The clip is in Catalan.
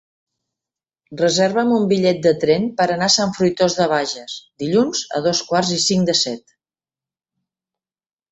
Reserva'm un bitllet de tren per anar a Sant Fruitós de Bages dilluns a dos quarts i cinc de set.